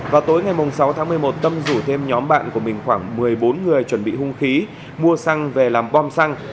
vào tối ngày sáu tháng một mươi một tâm rủ thêm nhóm bạn của mình khoảng một mươi bốn người chuẩn bị hung khí mua xăng về làm bom xăng